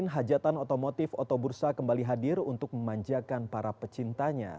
hajatan otomotif otobursa kembali hadir untuk memanjakan para pecintanya